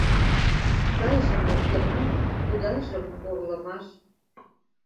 Сайжым моктыман, удажым орлымаш